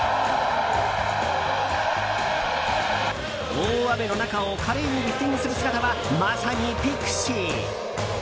大雨の中を華麗にリフティングする姿はまさにピクシー！